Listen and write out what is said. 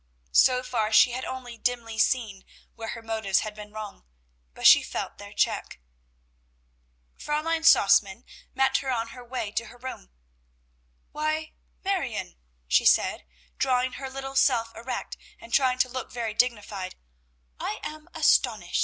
So far she had only dimly seen where her motives had been wrong, but she felt their check. Fräulein Sausmann met her on her way to her room. "Why, Marione!" she said, drawing her little self erect, and trying to look very dignified, "I am astonish!